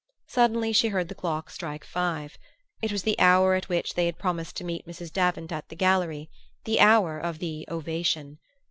Suddenly she heard the clock strike five. It was the hour at which they had promised to meet Mrs. Davant at the gallery the hour of the "ovation."